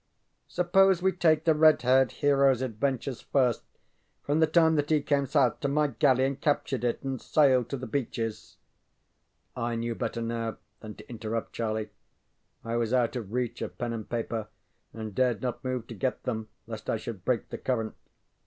ŌĆ£Suppose we take the red haired heroŌĆÖs adventures first, from the time that he came south to my galley and captured it and sailed to the Beaches.ŌĆØ I knew better now than to interrupt Charlie. I was out of reach of pen and paper, and dared not move to get them lest I should break the current.